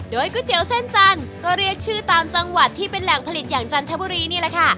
โดยก๋วยเตี๋ยวเส้นจันทร์ก็เรียกชื่อตามจังหวัดที่เป็นแหล่งผลิตอย่างจันทบุรีนี่แหละค่ะ